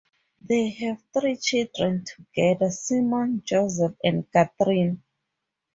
They have three children together, Simon, Joseph and Katharine.